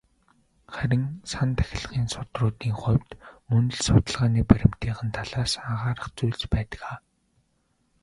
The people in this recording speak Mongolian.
Харин "сан тахилгын судруудын" хувьд мөн л судалгааны баримтынх нь талаас анхаарах зүйлс байдаг.